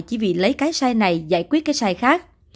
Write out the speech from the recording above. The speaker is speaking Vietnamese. chỉ vì lấy cái sai này giải quyết cái sai khác